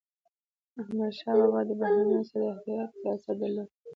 احمدشاه بابا د بهرنيانو سره د احتیاط سیاست درلود.